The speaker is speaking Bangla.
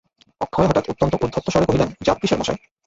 অক্ষয় হঠাৎ অত্যন্ত উদ্ধতস্বরে কহিলেন, জাত কিসের মশায়!